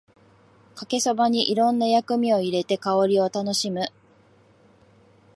かけそばにいろんな薬味を入れて香りを楽しむ